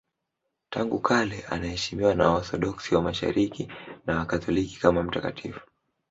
Tangu kale anaheshimiwa na Waorthodoksi wa Mashariki na Wakatoliki kama mtakatifu.